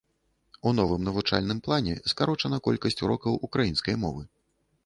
У новым навучальным плане скарочана колькасць урокаў украінскай мовы.